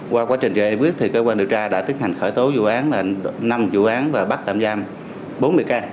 qua quá trình giải quyết cơ quan điều tra đã tiết hành khởi tố vụ án năm vụ án và bắt tạm giam bốn mươi can